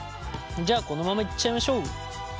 じゃあこのままいっちゃいましょう。